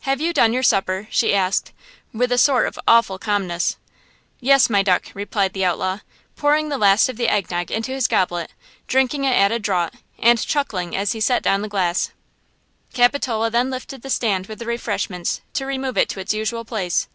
"Have you done your supper? "she asked, with a sort of awful calmness. "Yes my duck," replied the outlaw, pouring the last of the egg nog into his goblet, drinking it at a draught and chuckling as he set down the glass. Capitola then lifted the stand with the refreshments to remove it to its usual place.